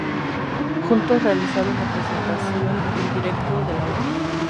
Juntos realizaron las presentaciones en directo de la obra.